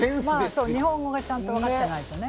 そう、日本語がちゃんと分かってないとね。